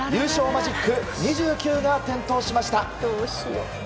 マジック２９が点灯しました。